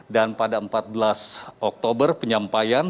dan pada empat belas oktober penyampaian